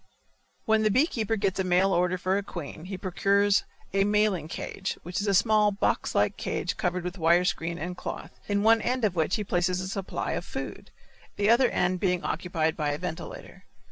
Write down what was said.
When the bee keeper gets a mail order for a queen he procures a mailing cage, which is a small box like cage covered with wire screen and cloth, in one end of which he places a supply of food, the other end being occupied by a ventilator.